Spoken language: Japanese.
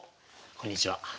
こんにちは。